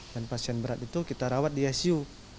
dan pasien berat itu kita rawat di rsu